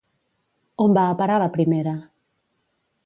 On va a parar la primera?